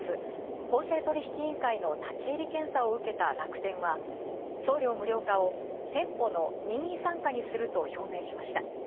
公正取引委員会の立ち入り検査を受けた楽天は、送料無料化を店舗の任意参加にすると表明しました。